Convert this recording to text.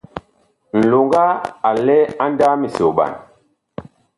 Nloŋga a lɛ a ndaaa misoɓan.